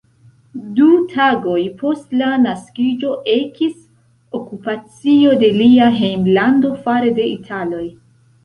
Du tagoj post la naskiĝo ekis okupacio de lia hejmlando fare de Italoj.